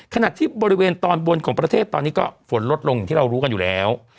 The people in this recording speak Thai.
ขณะที่บริเวณตอนบนของประเทศตอนนี้ก็ฝนลดลงอย่างที่เรารู้กันอยู่แล้ว